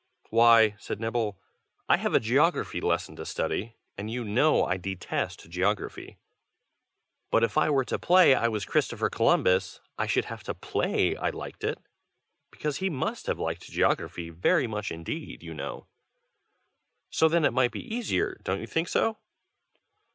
"Why," said Nibble, "I have a geography lesson to study, and you know I detest geography. But if I were to play I was Christopher Columbus, I should have to play I liked it, because he must have liked geography very much indeed, you know. So then it might be easier, don't you think so?"